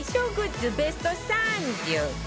ベスト３０